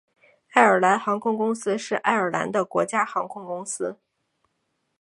爱尔兰航空公司是爱尔兰的国家航空公司。